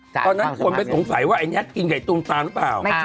ตอนนั้นควรไปสงสัยว่าไอด์แยทกินกับไอด์ตู้มตาหรือเปล่า